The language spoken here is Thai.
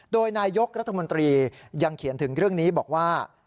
โดยนายกรัฐมนตรียังเขียนถึงเรื่องนี้บอกว่า